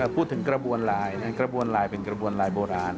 พูดถึงกระบวนลายนั่นกระบวนลายเป็นกระบวนลายโบราณ